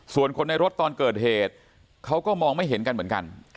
ส่วนคนในตอนเกิดเหตุเขาก็มองไม่เห็นคุณเป็นกัน